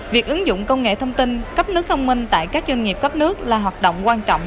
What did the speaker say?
việc ứng dụng công nghệ thông tin cấp nước thông minh tại các doanh nghiệp cấp nước là hoạt động quan trọng